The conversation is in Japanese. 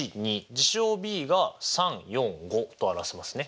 事象Ｂが３４５と表せますね。